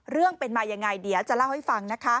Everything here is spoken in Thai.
เรื่องเป็นมายังไงเดี๋ยวจะเล่าให้ฟังนะคะ